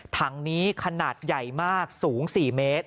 ถังนี้ขนาดใหญ่มากสูง๔เมตร